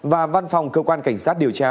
và văn phòng cơ quan cảnh sát điều tra